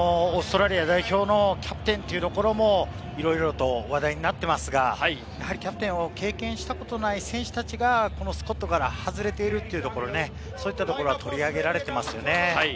オーストラリア代表のキャプテンというところも、いろいろと話題になっていますが、やはりキャプテンを経験したことのない選手たちが、このスポットから外れている、そういうところが取り上げられていますよね。